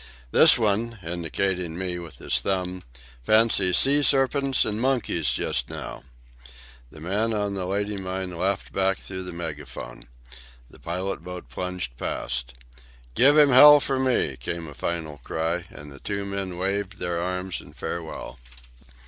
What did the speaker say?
"This one"—indicating me with his thumb—"fancies sea serpents and monkeys just now!" The man on the Lady Mine laughed back through the megaphone. The pilot boat plunged past. "Give him hell for me!" came a final cry, and the two men waved their arms in farewell.